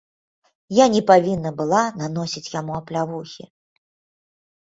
Я не павінна была наносіць яму аплявухі.